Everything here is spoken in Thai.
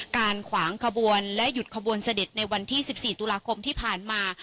ขวางขบวนและหยุดขบวนเสด็จในวันที่๑๔ตุลาคมที่ผ่านมา